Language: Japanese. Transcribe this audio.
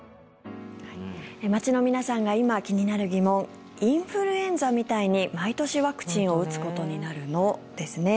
街の皆さんが今、気になる疑問インフルエンザみたいに毎年ワクチンを打つことになるの？ですね。